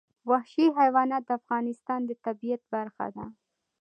وحشي حیوانات د افغانستان د طبیعت برخه ده.